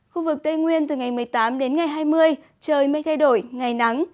khu vực tây nguyên từ ngày một mươi tám đến ngày hai mươi trời mây thay đổi ngày nắng